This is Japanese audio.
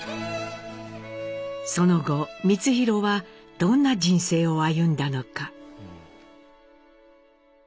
その後光宏はどんな人生を歩んだのか？